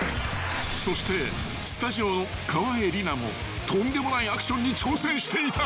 ［そしてスタジオの川栄李奈もとんでもないアクションに挑戦していた］